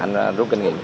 anh rút kinh nghiệm